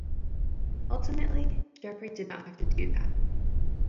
Ultimately, Jeffery did not have to do that.